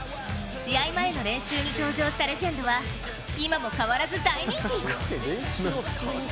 試合前の練習に登場したレジェンドは今も変わらず大人気。